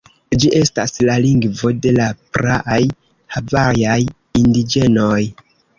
Ĝi estas la lingvo de la praaj havajaj indiĝenoj.